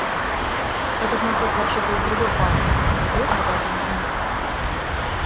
Этот носок вообще-то из другой пары, а ты этого даже не заметил.